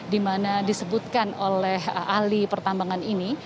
di mana disebutkan oleh ahli pertambangan ini